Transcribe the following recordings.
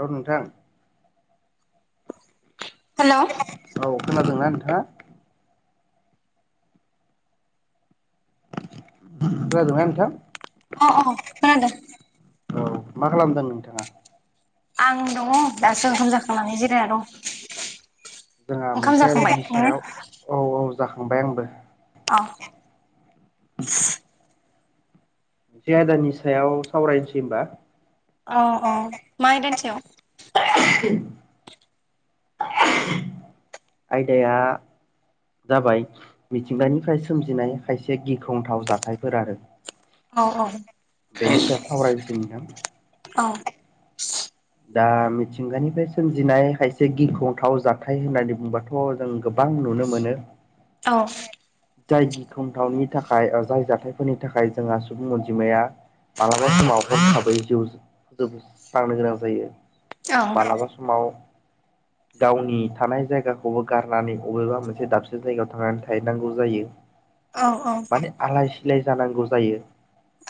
हेल' नोंथां। हेलौ। औ खोनादोंना नोंथाङा। खोनादों ना नोंथां? अ अ। खोनादों औ मा खालामदों नोंथाङा? आं दङ दासो ओंखाम जाखांनानै जिरायना दं। जोंहा ओंखाम जाखांबाय मोनसेनि नोङो सायाव औ औ जाखांबाय आंबो। अ जे आदानि सायाव सावरायसै होनबा। औ औ मा आयदानि सायाव? [unintelligible] आयदाया जाबाय मिथिंगानिफ्राय सोमजिनाय खायसे गिख्रंथाव जाथायफोर आरो। औ औ। बेनि सायाव सावरायनोसै नोंथां। औ। दा मिथिंगानिफ्राय सोमजिनाय खायसे गिख्रंथाव जाथाय होननानै बुंबाथ' थ जों गोबां नुनो मोनो। औ। जाय गिख्रंथावनि थाखाय ओ जाय जाथायफोरनि थाखाय जोंहा सुबुं अनजिमाया मालाबा समाव हरखाबै [unintelligible] स्रांनो गोनां जायो औ मालाबा सम माव गावनि थानाय जायगाखौबो गारनानै अबेबा मोनसे दाबसे जायगायाव थांनानै थाहैनांगौ जायो। [inaudible] औ औ। माने आलाय सिलाय जानांगौ जायो।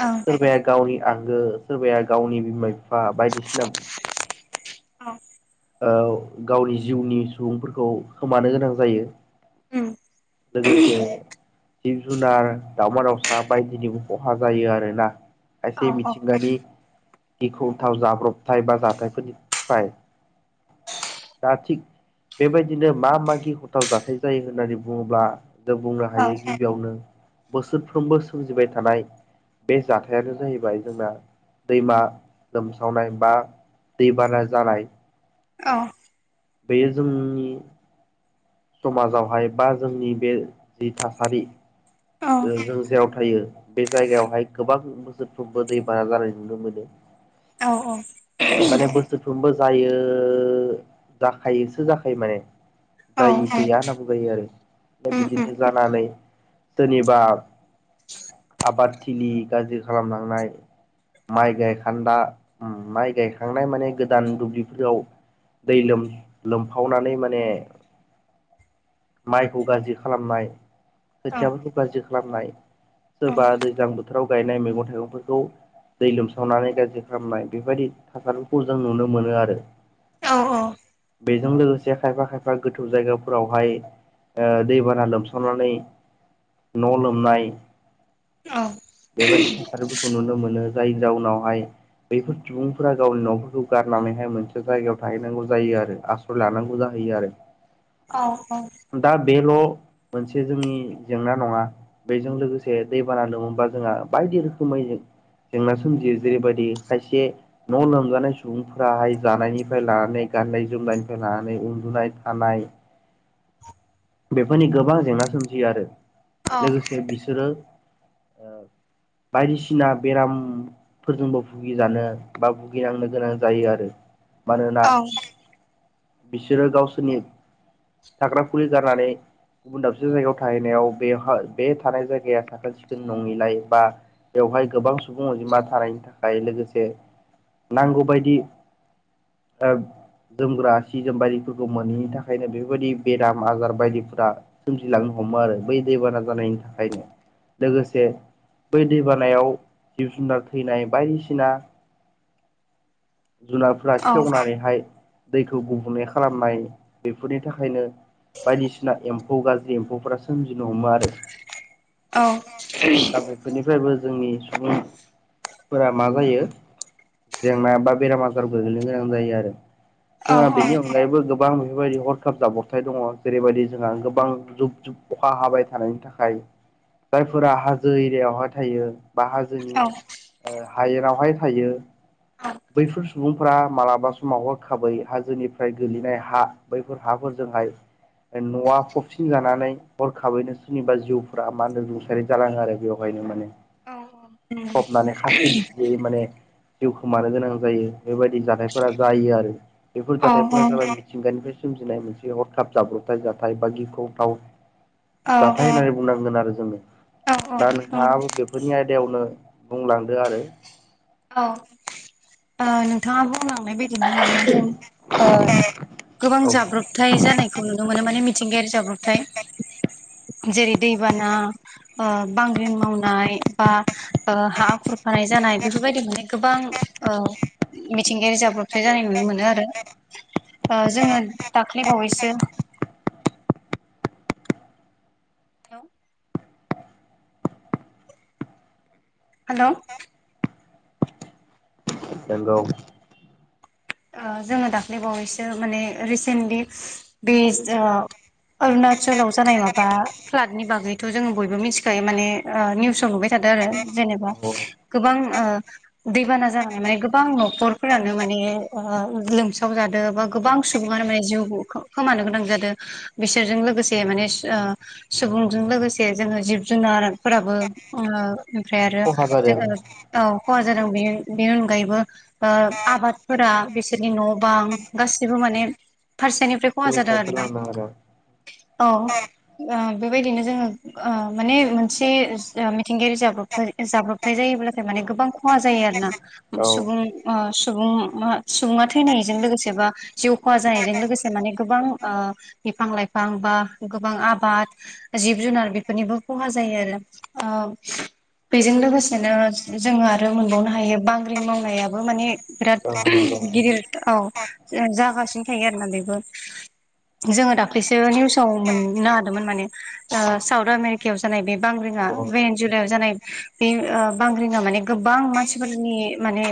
ओं सोरबाया गावनि आंगो सोरबाया गावनि बिमा बिफा बायदिसिना [unintelligible] औ गावनि जिउनि सुबुंफोरखौ खोमानो गोनां जायो। उम लोगोसे जिब जुनार दावमा दाउसा बायदिनि खहा जायो आरोना औ खायसे औ मिथिंगानि गिखुंथाव जाब्रथाय बा जाथायफोरनिफ्राय दा थिग बेबायदिनो मा मा गिखंथाव जाथाय जायो होननानै बुङोब्ला जों बुंनो औ हायो गिबियावनो बोसोरफ्रोमबो सोमजिबाय थानाय बे जाथायानो जाहैबाय जोंना दैमा लोमसावनाय बा दैबाना जानाय। अ बेयो जोंनि समाजावहाय बा जोंनि बे जि थासारि औ जों जेराव थायो बे जायगायावहाय गोबां बोसोरफ्रोमबो दैबाना जानाय नुनो मोनो। औ औ [unintelligible] सोरफ्रोमबो जायो जाखायोसो जाखायो माने औ जायि गैया होनना बुं [unintelligible] उम उम बिदिनो जानानै सोरनिबा आबादथिलि गाज्रि खालामलांनाय माइ गायखान्दा उम माइ गायखांनाय माने गोदान दुब्लिफोराव दै लोम लोमफावनानै माने माइखौ गाज्रि खालामनाय औ खोथियाफोरखौ गाज्रि खालामनाय सोरबा दैज्लां बोथोराव गायनाय मैगं थाइगंफोरखौ दै लोमसावनानै गाज्रि खालामनाय बेबायदि थासारिखौ जों नुनो मोनो आरो। औ औ बेजों लोगोसे खायफा खायफा गोथौ जायगाफोरावहाय ओ दैबाना लोमसावनानै न' लोमनाय औ बेबायदि थासारिबो खौ नुनो मोनो जायनि जाउनावहाय बैफोर सुबुंफोरा गावनि न'फोरखौ गारनानैहाय मोनसे जायगायाव थाहैनांगौ जायो आरो आस फोर लानांगौ जाहैयो आरो। औ औ दा बेल' मोनसे जोंनि जेंना नंङा बैजों लोगोसे दैबाना लोमोबोबा जोंहा बायदि रोखोमै जेंना सोमजियो जेरैबायदि खायसे न' लोमजानाय सुबुंफोराहाय जानायनिफ्राय लानानै गाननाय जोमनायनिफ्राय लानानै उन्दुनाय थानाय बेफोरनि गोबां जेंना सोमजियो आरो लोगोसे बिसोरो बायदिसिना बेराम फोरजोंबो भुगिजानो बा भुगिनांनो गोनां जायो आरो। मानोना बिसोरो गावसोरनि थाग्राखुलि गारनानै गुबुन दाबसे जायगायाव थाहैनायाव बे हो बे थानाय जायगाया साखोन सिखोन नंङिलाय बा बेवहाय गोबां सुबुं अनजिमा थानायनि थाखाय लोगोसे नांगौबायदि ओ जोमग्रा सि जोमबारिफोरखौ मोनैनि थाखायनो बेफोरबायदि बेराम आजार बायदिफोरा सोमजिलांनो हमो आरो बै दैबाना जानायनि थाखायनो। लोगोसे बै दैबानायाव जिब जुनार थैनाय बायदिसिना जुना फ्रा सेवनानैहाय दैखौ गुबुंले खालामनाय बेफोरनि थाखायनो बायदिसिना एम्फौ गाज्रि एम्फौफोरा सोमजिनो हमो आरो। औ फोरनिफ्रायबो जोंनि सुबुंफोरा मा जायो जेंना बा बेराम आजारबो गोग्लैनो गोनां जायो आरो। जोंहा बेनि अनगायैबो गोबां बेफोरबायदि हरखाब जाब्रथाय दंङ। जेरैबायदि जोंहा गोबां जुब जुब अखा हाबाय थानायनि थाखाय। जायफोरा हाजो एरियायावहाय थायो। बा हाजोनि हायेरावहाय थायो बैफोर सुबुंफोरा मालाबा समाव हरखाबै हाजोनिफ्राय गोलैनाय हा बैफोर हाफोरजोंहाय ओ न'आ फबसिन जानानै हरखाबैनो सोरनिबा जिउफ्रा मानो होनदों रुंसारि जालांङो आरो बेवहायनो माने। फबनानै खास्रि बिस्रि माने जिउ खोमानो गोनां जायो। बेबायदि जाथायफोरा जायो आरो बेफोर जाथायफोरा जाबाय मिथिंगानिफ्राय सोमजिनाय मोनसे हरखाब जाब्रबथाय जाथाय बा गिख्रंथाव जाथाय होननानै बुं बुंनांगोन आरो जोंङो। दा औ नोंथांङाबो बेफोरनि आयदायावनो बुंलांदो आरो औ ओ नोंथांङा बुंलांनाय बाय बिदिनो माने जों ओ गोबां औ जाब्रबथाय जानायखौ खौ नुनो मोनो माने मिथिंगायारि जाब्रबथाय जेरै दैबाना ओ बांग्रिं मावनाय बा ओ हा खुरखानाय जानाय बेफोरबायदि मोननाय गोबां ओ मिथिंगायारि जाब्रबथाय जानाय नुनो मोनो आरो। जोङो दाख्लैबावैसो हेल'। हेल'? नंगौ। जोङो दाख्लै बावैसो माने रिसेन्टलि बे अरुणाचलाव जानाय माबा फ्लादनि बागैथ' जोङो बयबो मिथिखायो माने निउसाव नुबाय थादों आरो जेनेबा गोबां ओ दैबाना जानानै माने गोबां न'खरफोरानो माने लोमसाव जादों बा गोबां सुबुङानो माने जिउ खोमानो गोनां जादों। बिसोरजों लोगोसे माने ओ सुबुंजों लोगोसे जोङो जिब जुनारफोराबो ओ ओमफ्राय आरो औ खहा जादों औ खहा जादों बे बेनि अनगायैबो आबाद फोरा बिसोरनि न' बां गासिबो माने फारसेनिफ्राय खहा जादों सिलिंखार आरोना खालामदों आरो औ बेबायदिनो जोङो माने मोनसे मिथिंगायारि जाब्रथाय जाब्रबथाय जायोब्लाथाय माने गोबां खहा जायो आरोना? औ सुबुं। म सुबुङा थैनायजों लोगोसे बा जिउ खहा जानायजों लोगोसे माने गोबां ओ बिफां लाइफां बा गोबां आबाद जिब जुनार बेफोरनिबो खहा जायो आरो ओ बेजों लोगोसेनो जोङो आरो मोनबावनो हायो बांग्रिं मावनायाबो माने औ बिराद नंगौ औ गिदिर औ जों जागासिनो थायो आरो ना बेबो। जोङो दाख्लैसो निउसाव मोननो हादोंमोन माने। साउथ आमेरिकायाव जानाय बे बांग्रिङा भेन जुलायाव जानाय बे बांग्रिङा माने गोबां मानसिफोरनि माने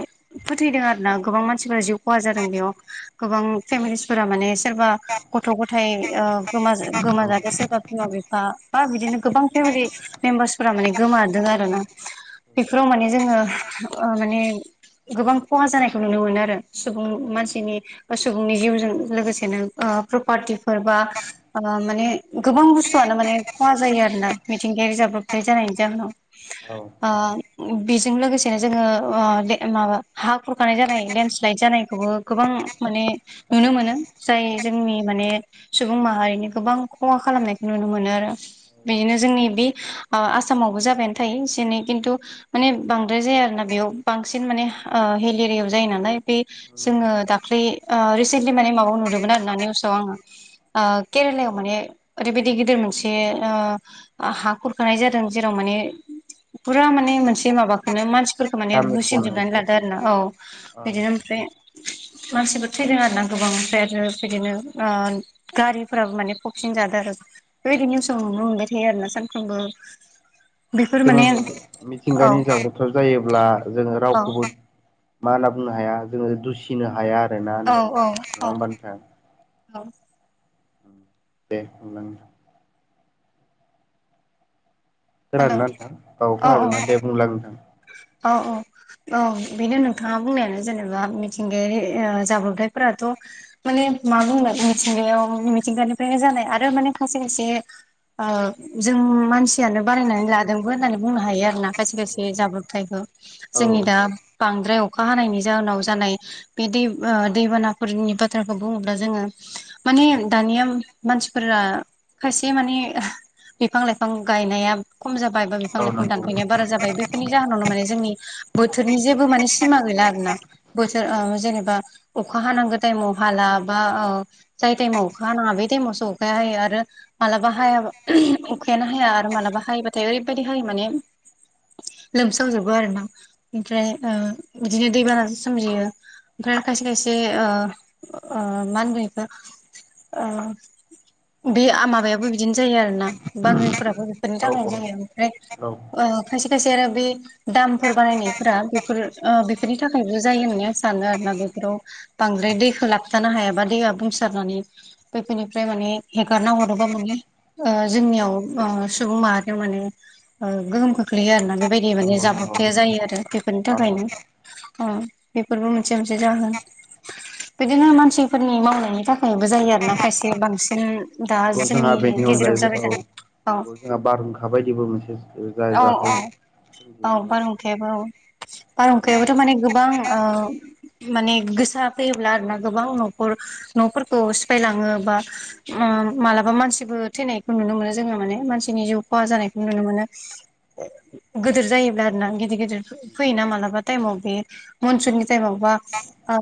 फोथैदों आरोना गोबां मानसिफोरा जिउ खहा जादों बेयाव गोबां फेमिलिसफोरा माने सोरबा गथ' गथायाइ गोमा गोमाजादों सोरबा बिमा बिफा बा बिदिनो गोबां फेमिलि मेम्बार्सफोरा माने गोमादों आरो ना बेफोराव माने जोङो माने गोबां खहा जानायखौ नुनो मोनो आरो सुबुं मानसिनि सुबुंनि जिउजों लोगोसेनो प्रपार्टिफोर बा माने गोबां बुस्थुआनो माने खहा जायो आरो ना मिथिंगायारि जाब्रबथाय जानायनि जाहोनाव। औ। औ बेजों लोगोसेनो जोङो माबा हा खुरखानाय जानाय लेणड स्लाइद जानायखौबो गोबां माने नुनो मोनो जाय जोंनि माने सुबुं माहारिनि गोबां खहा खालामनायखौ नुनो मोनो आरो। औ बिदिनो जोंनि बे आसामावबो जाबायानो थायो एसे एनै खिन्थु माने बांद्राय जाया आरो ना बेयाव बांसिन माने हिल एरियायाव जायो नालाय बे नंगौ जोङो दाख्लै रिसेन्टलि माने माबायाव नुदोंमोन आरोना निउसाव आङो केरेलायाव माने ओरैबायदि गिदिर मोनसेओ हा खुरखानाय जादों जेराव माने फुरा माने मोनसे माबाखौनो मानसि फोरख माने गामिखौनो होसिनजोबनानै लादो आरोना औ ओं बिदिनो ओमफ्राय मानसिबो थैदों आरो ना गोबां ओमफ्राय आरो बिदिनो ओ गारिफ्राबो माने पक्सिन जाद आरो। बेबायदि निउसाव नुनो मोनबाय थायो आरोना सानफ्रोमबो। बेफोर ओ माने औ मिथिंगानि जाब्रबथाइ जायोब्ला जोङो औ रावखौबो। मा होनना बुंनो हाया जोङो दुसिनो हाया आरोना औ नङा औ औ होनबा नोंथां। औ। दे बुं। हेल' खोनादोंना नोंथां औ खोनादोंना दे बुंलाय नोंथां। औ-औ। औ बेनो नोंथाङा बुंनायानो जेनेबा मिथिंगायारि ओ जाब्रबथायफोराथ' माने मा बुंनो मिथिंगायाव मिथिंगानिफ्रायनो जानाय आरो माने खायसे खायसे ओ जों मानसियानो बारायनानै लादोंबो होननानै बुंनो हायो आरो ना खायसे खायसे। बे जाब्रबथायखौ औ जोंनि दा बांद्राय अखा हानायनि जाहोनाव जानाय बे दै दैबानाफोरनि बाथ्राखौ बुङोब्ला जोङो माने दानिया मानसिफोरा खायसे माने बिफां लाइफां गायनाया खम जाबाय बा बिफां औ लाइफां नंगौ दानफायनाया बारा जाबाय बेफोरनि जाहोनावनो माने जोंनि बोथोरनि जेबो माने सिमा गैला आरो ना। बोसोर ओ जेनेबा अखा हानांगौ टाइमाव हाला बा औ जाय टाइमाव अखा नाङा बे टाइमावसो अखायाहायो आरो मालाबा हाया उखायानो हाया आरो मालाबा हायोबाथाय ओरैबायदि हायो माने लोमसावजोबो आरो ना ओमफ्राय ओ बिदिनो दैबानाजों सोमजियो। ओमफ्राय खायसे खायसे ओ -ओ मा होनगोन बेखौ ओ बे माबायाबो बिदिनो जायो आरो ना बांग्रिनफोराबो बेफोरनि औ थाखायनो औ औ जायो ओमफ्राय अ खायसे खायसे आरो बे दामफोर बारायनायफोरा बेफोर ओ बेफोरनि थाखायबो जायो होननानै आं सानो आरोना बेफोराव बांद्राय दैखौ लाबथानो हायाबा दैया बुंसारनानै बेैफोरनिफ्राय माने हेगारना हरोबा माने ओ जोंनियाव ओ सुबुं माहारियाव माने ओ गोहोम खो ख्लैयो आरोना बेबायदि माने नंगौ नंगौ जाब्रबथाया जायो आरो बेफोरनि औ नंगौ थाखायनो। औ बेफोरबो मोनसे मोनसे जाहोन। बिदिनो मानसिफोरनि मावनायनि थाखायबो जायो आरो ना खायसे बांसिन दा जोंनि जोंहा बेनि गेजेराव अनगायैबो जाबाय औ थानाय औ। नंगौ बारहुंखा बायदिबो मोनसे जा औ जाथाय औ सोमजियो नङा बाव होमबा बारहुंखायाबो औ। बारहुंखायाबोथ' माने गोबां ओ माने गोसा फैयोब्ला आरो ना गोबां न' न'फोरखौ सिफायलाङो बा उम मालाबा मानसिबो थैनायखौ नुनो मोनो जोङो माने मानसिनि जिउ खहा जानायखौ नुनो मोनो। गोदोर जायोब्ला आरोना गिदिर गिदिर फैयोना मालाबा टाइमाव बे मनसुननि टाइमाव बा ओ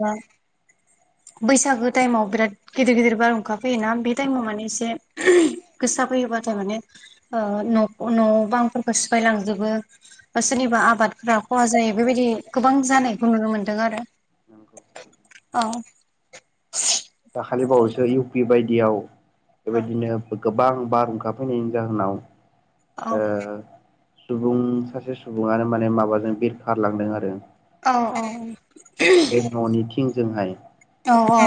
बैसागो टाइमाव बिराद गिदिर गिदिर बार अखा फैयोना बे टाइमाव माने एसे गोसा फैयोबाथाय माने ओ न' न'बांफोरखौ सिफायलांजोबो। बा सोरनिबा आबादफोरा खहा जायो बेबायदि गोबां जानायखौ नुनो मोन्दों आरो। नंगौ औ। दाखालि बावैसो इउ पि बायदियाव बेबायदिनो गोबां बारहुंखा फैनायनि जाहोनाव औ ओ सुबुं सासे सुबुङानो माने माबाजों बिरखारलांदों आरो। औ औ औ बे न'निथिंजोंहाय। औ औ।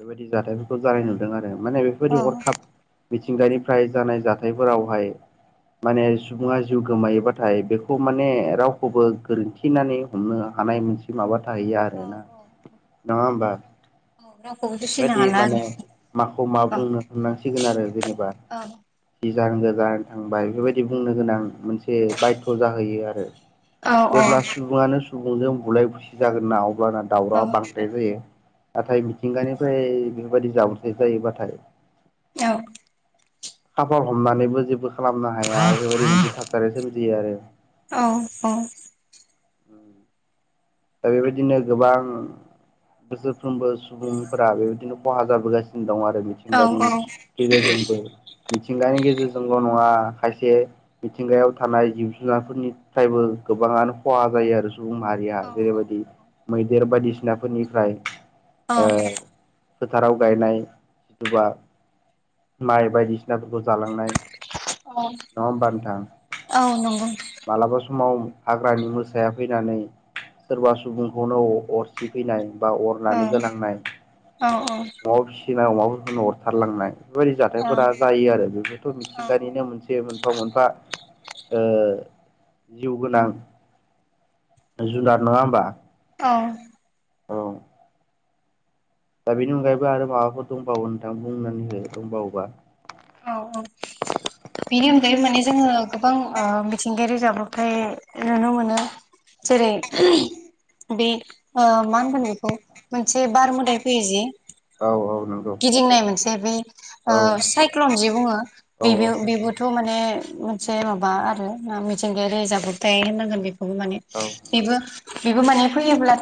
बेबायदि जाथायफोरखौ जानाय नुदों आरो माने औ बेफोरबायदि हरखाब मिथिंगानिफ्राय जानाय जाथायफोरावहाय माने सुबुङा जिउ गोमायोबाथाय बेखौ माने रावखौबो गोरोन थिनानै हमनो हानाय मोनसे माबा थाहैया औ आरोना नङा होमबा? औ रावखौबो दुसिनो बेबायदि हाला माने माखौ मा बुंनो साननांसिगोन आरो जेनेबा। आरो गोजान गोजान थांबाय बेफोरबायदि बुंनो गोनां मोनसे बायध' जाहैयो आरो। औ औ जेब्ला सुबुङानो सुबुंजों बुलाय बुसि जागोन ना अब्लाना औ दावरावा बां जायो नाथाय मिथिंगानिफ्राय बेफोरबायाददि जाब्रथाय जायोबाथाय औ खाफाल हमनानैबो जेबो खालामनो हाया बेबादि थासारि मोनसे सोमजियो आरो। औ औ। [inaudible] दा बेबायदिनो गोबां बोसोरफ्रोमबो सुबुंफोरा बेबायदिनो खहा जाबोगासिनो दं आरो बि मिथिंगानि गेजेरजोंबो मिथिंगानि गेजेरजोंल' नङा खायसे मिथिंगायाव थानाय जिब जुनारफोरनिफ्रायबो गोबाङानो खहा जायो आरो सुबुं माहारिया। जेरैबायदि मैदेर बायदिसिनाफोरनिफ्राय औ ओ फोथाराव गायनाय जिथुबा माइ बायदिसिनाफोरखौ जालांनाय औ नङा होनबाथां? औ नंगौ मालाबा समाव हाग्रानि मोसाया फैनानै सोरबा सुबुंखौनो अरसि फैनाय बा औ अरानो गोनांनाय औ औ। अमा फिसिनाय अमाफोरफोरो अरथारलांनाय बेबायदि जाथायफोरा जायो आरो बेफोरथ' मिथिंगानिनो मोनसे जे मोनफा मोनफा ओ जिउ गोनां। जुनार नङा नंङा होमबा? औ। औ दा बेनि अनगायैबो आरो माबाफोर दंबावो नोंथां बुंनानै हो दंबावोबा? औ औ। बेनि अनगायै माने जोङो गोबां ओ मिथिंगायारि जाब्रबथाय नुनो मोनो। जेरै उ बे ओ मा होनगोन बेखौ मोनसे बार मोदाय फैयो जे औ औ नों गिदिंनाय मोनसे बे ओ साइक्ल'न जि बुङो औ बि बिबुथ' औ माने से माबा आरो मिथिंगायारि जाब्रबथाय होननांगोन बेखौबो माने औ। औ बेबो बेबो माने फैयोब्लाथाय